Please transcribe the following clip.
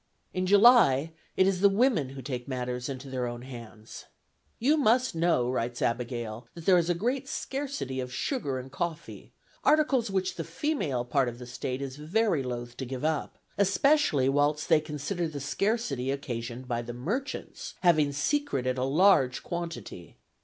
In July, it is the women who take matters into their own hands. "You must know," writes Abigail, "that there is a great scarcity of sugar and coffee, articles which the female part of the State is very loath to give up, especially whilst they consider the scarcity occasioned by the merchants having secreted a large quantity.